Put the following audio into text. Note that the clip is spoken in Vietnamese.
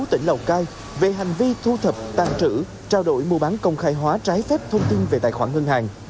tỉnh lào cai về hành vi thu thập tàn trữ trao đổi mua bán công khai hóa trái phép thông tin về tài khoản ngân hàng